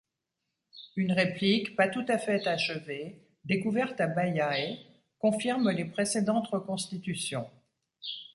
Une réplique, pas tout à fait achevée, découverte à Baiae confirme les précédentes reconstitutions.